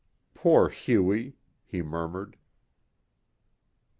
"Poor Hughie," he murmured.